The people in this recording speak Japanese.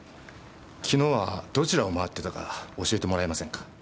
昨日はどちらを回ってたか教えてもらえませんか？